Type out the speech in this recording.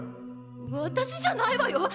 私じゃないわよ！